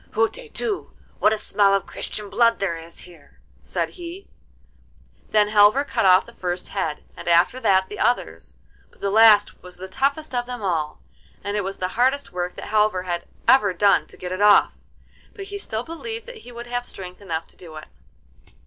'Hutetu! what a smell of Christian blood there is here!' said he. Then Halvor cut off the first head, and after that the others, but the last was the toughest of them all, and it was the hardest work that Halvor had ever done to get it off, but he still believed that he would have strength enough to do it.